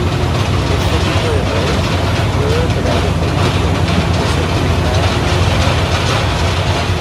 Este tipo de redes puede operar de forma autónoma o ser conectada a Internet.